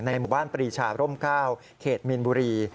หมู่บ้านปรีชาร่ม๙เขตมีนบุรี